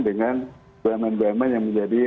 dengan bumn bumn yang menjadi